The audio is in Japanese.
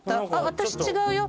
私違うよ。